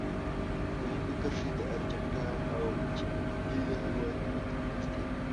مهمې کرښې د ارجنټاین او چیلي د هېوادونو ترمنځ دي.